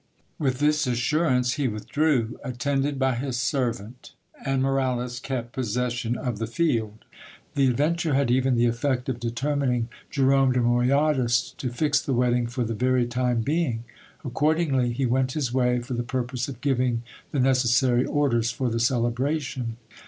With this assurance he withdrew, attended by his servant, and Moralez kept possession of the field. The adventure had even the effect of determining Jerome de Moyadas to fix the wedding for the very time being. Accordingly he went his way, for the purpose of giving the necessary orders for the cele bration.